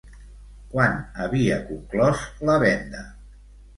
Quan havia conclòs la venda?